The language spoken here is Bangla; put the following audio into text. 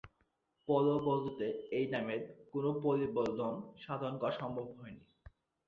পরবর্তিতে এই নামের কোন পরিবর্তন সাধন করা সম্ভব হয়নি।